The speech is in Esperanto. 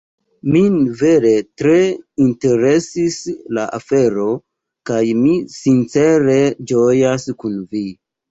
Min vere tre interesis la afero kaj mi sincere ĝojas kun Vi!